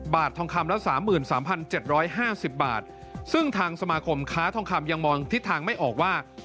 ทองคำละ๓๓๗๕๐บาทซึ่งทางสมาคมค้าทองคำยังมองทิศทางไม่ออกว่า